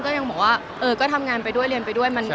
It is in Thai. แต่จริงเกือบว่าพ่อแม่เข้าใจนะคะเรียนอะไรอย่างนี้